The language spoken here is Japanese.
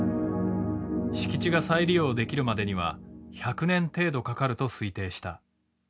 敷地が再利用できるまでには１００年程度かかると推定した。